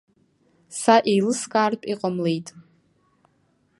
Са еилыскаартә иҟамлеит.